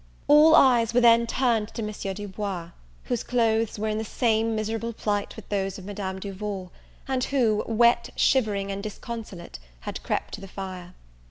All eyes were then turned to Monsieur Du Bois, whose clothes were in the same miserable plight with those of Madame Duval; and who, wet, shivering, and disconsolate, had crept to the fire.